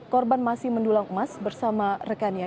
korban masih mendulang emas bersama rekannya